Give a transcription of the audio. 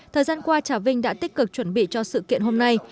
thời gian qua trà vinh đã tích cực chuẩn bị cho sự kiện hôm nay